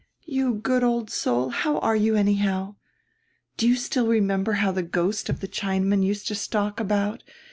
You good old soul, how are you anyhow? Do you still remember how the ghost of the Chinaman used to stalk about?